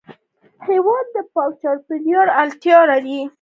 هېواد د پاک چاپېریال اړتیا لري.